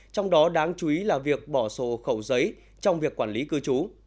trong đó đáng chú ý là việc bỏ sổ hộ khẩu giấy trong việc quản lý cư chú